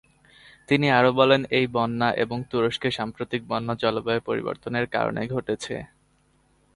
তিনি আরও বলেন, এই বন্যা এবং তুরস্কে সাম্প্রতিক বন্যা জলবায়ু পরিবর্তনের কারণে ঘটেছে।